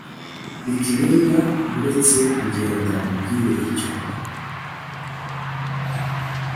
Ricky Linda buretse kugenda nkubwire icyo